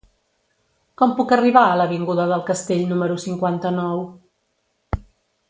Com puc arribar a l'avinguda del Castell número cinquanta-nou?